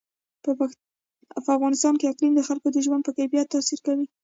په افغانستان کې اقلیم د خلکو د ژوند په کیفیت تاثیر کوي.